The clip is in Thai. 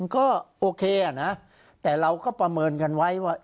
ก็โอเคนะแต่เราก็ประเมินกันไว้ว่า